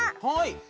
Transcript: はい。